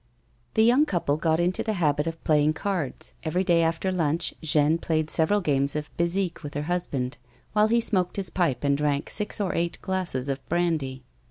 The young couple got into the habit of playing cards ; every day after lunch Jeanne played several games of bezique with her husband, while he smoked his pipe and drank six or eight glasses of brandy.